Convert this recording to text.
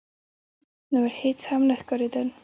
نور هيڅ هم نه ښکارېدل.